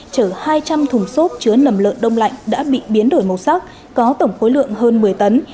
chở hai trăm linh thùng xốp chứa nầm lợn đông lạnh đã bị biến đổi màu sắc có tổng khối lượng hơn một mươi tấn